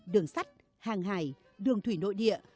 đường sắt hàng hải đường thủy nội địa